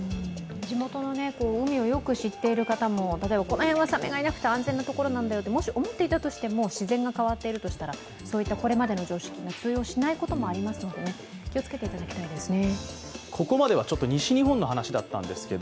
地元の海をよく知っている方も例えばこの辺はサメがいなくて安全な所だよともし思っていたとしても、自然が変わっているとしたらそういったこれまでの常識も通用しないこともありますので気をつけてもらいたいですね。